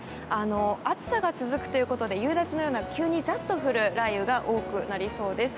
暑さが続くということで夕立のような急にザッと降る雷雨が多くなりそうです。